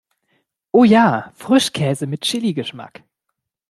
Oh ja, Frischkäse mit Chili-Geschmack!